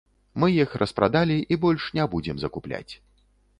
Мы іх распрадалі і больш не будзем закупляць.